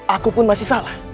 aku pun masih salah